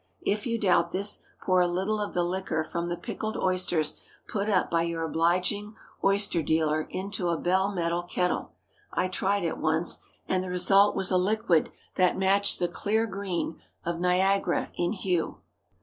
If you doubt this, pour a little of the liquor from the pickled oysters put up by your obliging oyster dealer into a bell metal kettle. I tried it once, and the result was a liquid that matched the clear green of Niagara in hue.